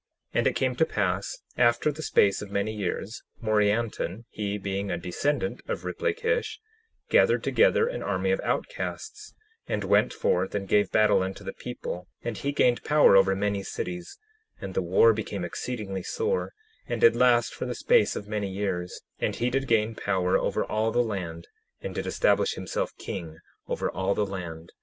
10:9 And it came to pass after the space of many years, Morianton, (he being a descendant of Riplakish) gathered together an army of outcasts, and went forth and gave battle unto the people; and he gained power over many cities; and the war became exceedingly sore, and did last for the space of many years; and he did gain power over all the land, and did establish himself king over all the land.